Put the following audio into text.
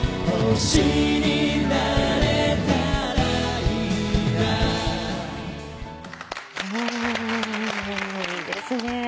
いいですね。